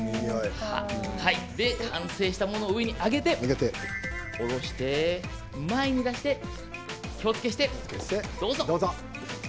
完成したものを上に上げて下ろして前に出して気をつけをしてどうぞ。